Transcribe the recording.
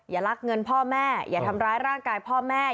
ลักเงินพ่อแม่อย่าทำร้ายร่างกายพ่อแม่